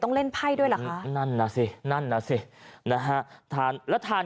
เล่นไพ่ด้วยเหรอคะนั่นน่ะสินั่นน่ะสินะฮะทานแล้วทาน